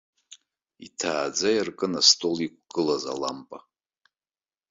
Иҭааӡа иаркын астол иқәгылаз алампа.